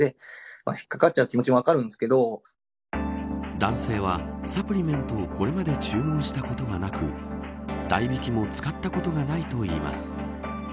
男性はサプリメントをこれまで注文をしたことがなく代引きも使ったことがないといいます。